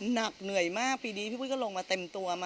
เหนื่อยมากปีนี้พี่ปุ้ยก็ลงมาเต็มตัวมา